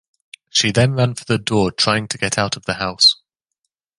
She then ran for the door, trying to get out of the house.